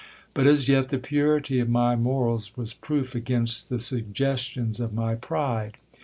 But as yet the purity of my morals was proof against the suggestions of my pride.